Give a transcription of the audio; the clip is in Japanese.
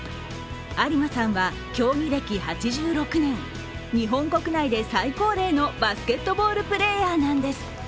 在間さんは競技歴８６年、日本国内で最高齢のバスケットボールプレーヤーなんです。